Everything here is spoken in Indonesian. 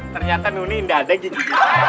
ternyata nuni tidak ada gigi